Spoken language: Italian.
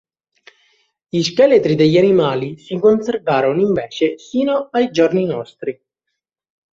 Gli scheletri degli animali si conservarono invece sino ai giorni nostri.